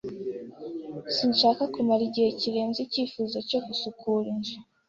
Sinshaka kumara igihe kirenze icyifuzo cyo gusukura inzu.